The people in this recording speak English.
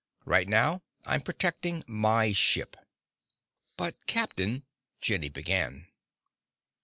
Right now I'm protecting my ship." "But captain " Jenny began.